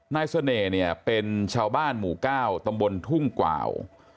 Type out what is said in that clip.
เสน่ห์เนี่ยเป็นชาวบ้านหมู่๙ตำบลทุ่งกว่าว